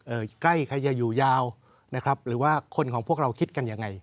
ใกล้ใครจะอยู่ยาวนะครับหรือว่าคนของพวกเราคิดกันยังไง